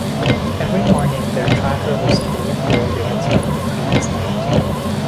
Every morning, their tracker was told where they had spent the previous night.